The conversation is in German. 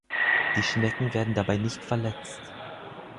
Die Schnecken werden dabei nicht verletzt.